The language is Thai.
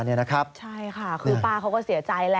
ใช่ค่ะคือป้าเขาก็เสียใจแหละ